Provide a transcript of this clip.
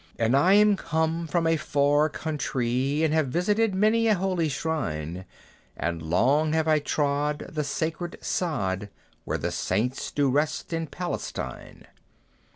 "And I am come from a far countree, And have visited many a holy shrine; And long have I trod the sacred sod Where the Saints do rest in Palestine!"